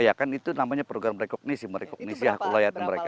ya kan itu namanya program rekognisi merekognisi hak kelayatan mereka